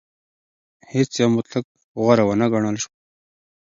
هیڅ یو مطلق غوره ونه ګڼل شو.